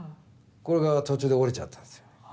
これが途中で折れちゃったんですよ。